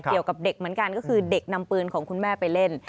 เกี่ยวกับเด็กเหมือนกันก็คือเด็กนำปืนของคุณแม่ไปเล่น